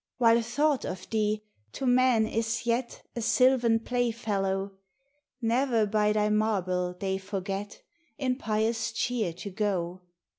While thought of thee to men is yet A sylvan playfellow, Ne'er by thy marble they forget In pious cheer to go.